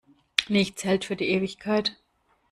Nichts hält für die Ewigkeit.